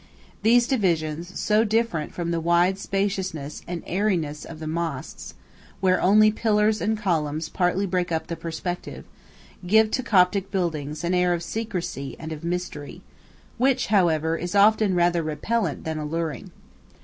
These divisions, so different from the wide spaciousness and airiness of the mosques, where only pillars and columns partly break up the perspective, give to Coptic buildings an air of secrecy and of mystery, which, however, is often rather repellent than alluring.